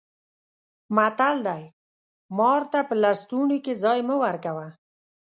متل دی: مار ته په لستوڼي کې ځای مه ورکوه.